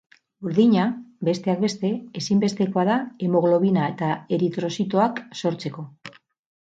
Burdina, besteak beste, ezinbestekoa da hemoglobina eta eritrozitoak sortzeko.